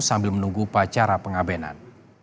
sambil menunggu upacara pengabenan